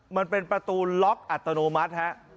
มันเป็นประตูล็อกอัตโนมัติฮะ